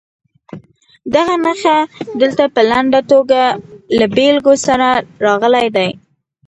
دغه نښې دلته په لنډه توګه له بېلګو سره راغلي دي.